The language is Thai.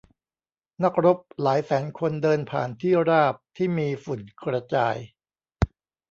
นักรบหลายแสนคนเดินผ่านที่ราบที่มีฝุ่นกระจาย